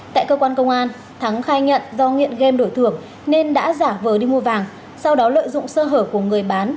tại cơ quan công an thắng khai nhận do nghiện game đổi thưởng nên đã giả vờ đi mua vàng sau đó lợi dụng sơ hở của người bán